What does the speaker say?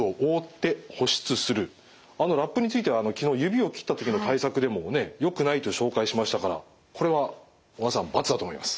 ラップについては昨日指を切った時の対策でもよくないと紹介しましたからこれは小川さん×だと思います。